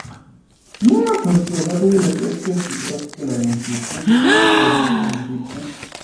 El relevo", la segunda parte titulada "Annual.